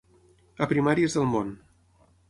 A primàries del món.